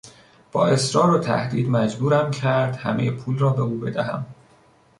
با اصرار و تهدید مجبورم کرد همهی پول را به او بدهم.